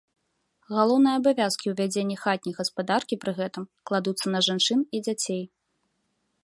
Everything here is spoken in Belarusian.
Галоўныя абавязкі ў вядзенні хатняй гаспадаркі пры гэтым кладуцца на жанчын і дзяцей.